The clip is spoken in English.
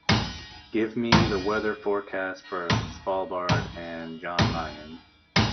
Give me the weather forecast for Svalbard and Jan Mayen